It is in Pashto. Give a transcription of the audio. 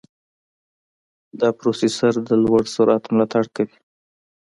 دا پروسېسر د لوړ سرعت ملاتړ کوي.